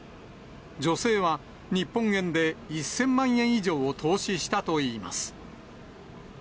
女性は、日本円で１０００万円以上を投資したといいます。